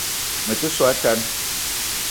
Me te so a tan